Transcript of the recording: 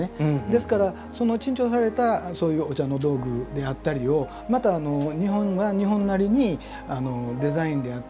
ですからその珍重されたそういうお茶の道具であったりをまた日本は日本なりにデザインであったり意匠ですね